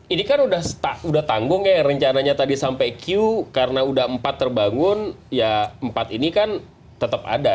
ini kan udah tanggung ya rencananya tadi sampai q karena udah empat terbangun ya empat ini kan tetap ada